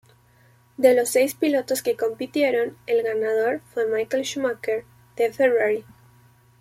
De los seis pilotos que compitieron, el ganador fue Michael Schumacher de Ferrari.